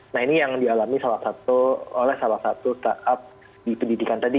nah ini yang dialami oleh salah satu startup di pendidikan tadi